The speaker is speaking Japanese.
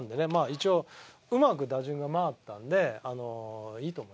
一応うまく打順が回ったんでいいと思います。